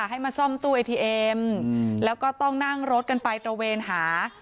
ให้มาซ่อมตู้เอทีเอ็มแล้วก็ต้องนั่งรถกันไปตระเวนหา